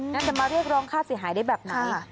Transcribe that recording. จะมาเรียกร้องค่าเสียหายได้แบบไหน